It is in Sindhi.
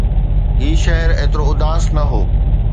هي شهر ايترو اداس نه هو